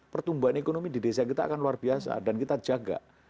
pertumbuhan ekonomi di desa kita akan luar biasa dan kita jaga